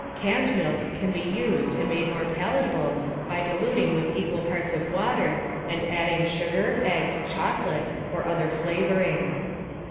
Canned milk can be used and made more palatable by diluting with equal parts of water and adding sugar, eggs, chocolate, or other flavoring.